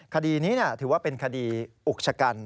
คดีนี้ถือว่าเป็นคดีอุกชะกัน